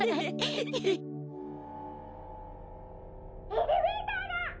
「エレベーターだ！」。